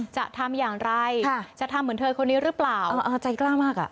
จะทำอย่างไรจะทำเหมือนเธอคนนี้หรือเปล่าเออใจกล้ามากอ่ะ